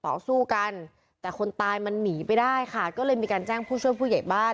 สู้กันแต่คนตายมันหนีไปได้ค่ะก็เลยมีการแจ้งผู้ช่วยผู้ใหญ่บ้าน